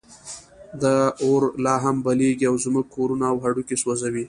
دا اور لا هم بلېږي او زموږ کورونه او هډوکي سوځوي.